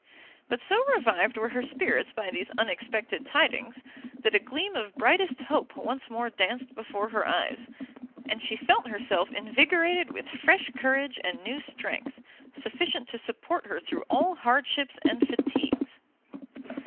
But so revived were her spirits by these unexpected tidings, that a gleam of brightest hope once more danced before her eyes, and she felt herself invigorated with fresh courage and new strength, sufficient to support her through all hardships and fatigues.